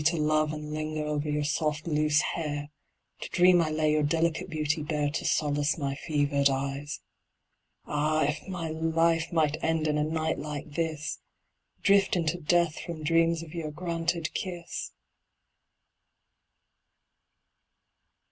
To love and linger over your soft loose hair To dream I lay your delicate beauty bare To solace my fevered eyes. Ah, if my life might end in a night like this Drift into death from dreams of your granted kiss!